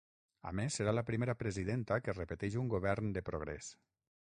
A més, serà la primera presidenta que repeteix un govern de progrés.